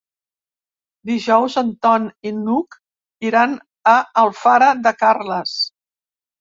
Dijous en Ton i n'Hug iran a Alfara de Carles.